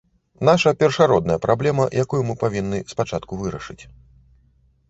Наша першародная праблема, якую мы павінны спачатку вырашыць.